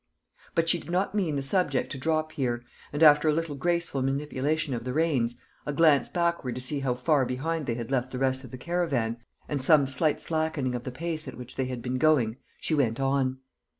But she did not mean the subject to drop here; and after a little graceful manipulation of the reins, a glance backward to see how far behind they had left the rest of the caravan, and some slight slackening of the pace at which they had been going, she went on.